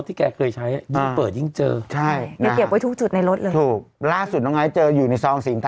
ใช่แกเขาจะเก็บเก็บ